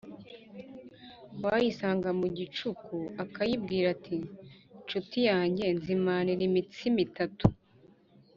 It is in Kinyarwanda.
wayisanga mu gicuku, akayibwira ati: Nshuti yanjye, nzimanira imitsima itatu,